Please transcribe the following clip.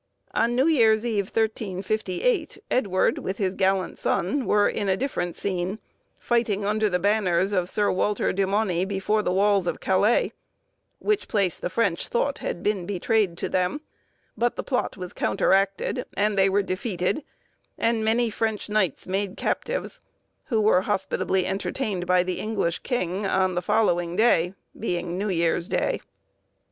On New Year's Eve 1358, Edward, with his gallant son, were in a different scene, fighting under the banners of Sir Walter de Mauny before the walls of Calais, which place the French thought had been betrayed to them; but the plot was counteracted, and they were defeated, and many French knights made captives, who were hospitably entertained by the English king on the following day, being New Year's Day.